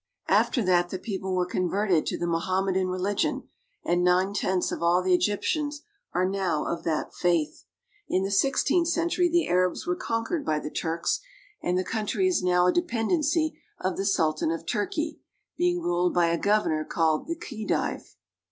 " After that the people were converted to the Mohamme dan religion, and nine tenths of all the Egyptians are now of that faith. In the sixteenth century the Arabs were conquered by the Turks, and the country is now a depend ency of the Sultan of Turkey, being ruled by a governor called the Khedive.